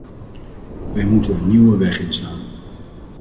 Wij moeten een nieuwe weg inslaan.